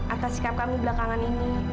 atas sikap kami belakangan ini